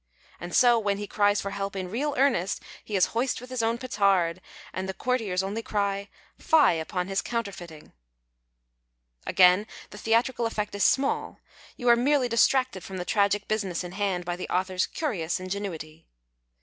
And so, when he cries for help in real earnest, he is hoist with his own petard, and the courtiers only cry, " Fie upon his counterfeiting." Again the theatrical effect is small ; you are merely distracted from tiie tragic business in hand by the author's curious ingenuity.